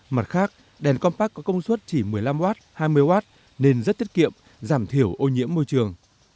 mặt khác đèn compac có công suất chỉ một mươi năm w hai mươi w nên rất tiết kiệm giảm thiểu ô nhiễm môi trường